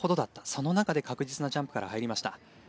その中で確実なジャンプから入りました。